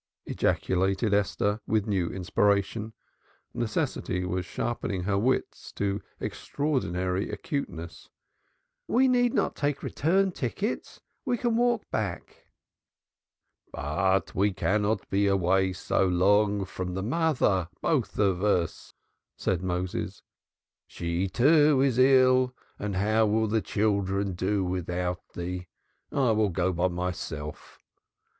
ejaculated Esther with a new inspiration. Necessity was sharpening her wits to extraordinary acuteness. "We need not take return tickets. We can walk back." "But we cannot be so long away from the mother both of us," said Moses. "She, too, is ill. And how will the children do without thee? I will go by myself."